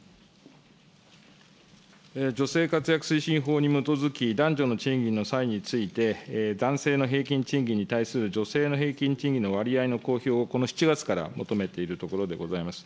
女性活躍推進法に基づき、男女の賃金の差異について男性の平均賃金に対する女性の平均賃金の割合の公表をこの７月から求めているところでございます。